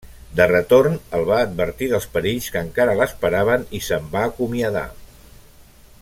De retorn, el va advertir dels perills que encara l'esperaven i se'n va acomiadar.